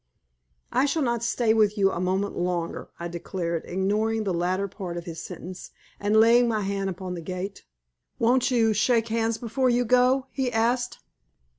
"I shall not stay with you a moment longer," I declared, ignoring the latter part of his sentence, and laying my hand upon the gate. "Won't you shake hands before you go?" he asked.